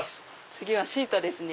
次はシートですね。